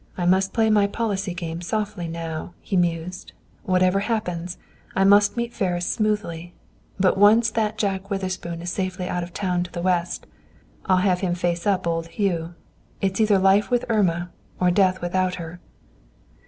"I must play my policy game softly now," he mused. "Whatever happens, I must meet Ferris smoothly; but once that Jack Witherspoon is safely out of town to the West, I'll have him face up old Hugh. It's either life with Irma, or death without her!"